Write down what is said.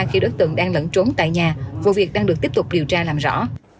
khi đối tượng đang lẫn trốn tại nhà vụ việc đang được tiếp tục điều tra làm rõ